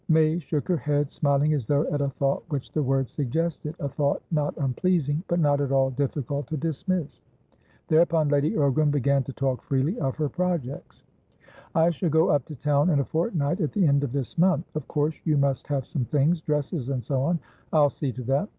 May shook her head, smiling as though at a thought which the words suggested, a thought not unpleasing, but not at all difficult to dismiss. Thereupon Lady Ogram began to talk freely of her projects. "I shall go up to town in a fortnightat the end of this month. Of course you must have some things, dresses and so on. I'll see to that.